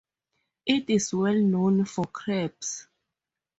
It is well known for crabs.